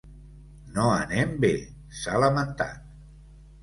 No anem bé, s’ha lamentat.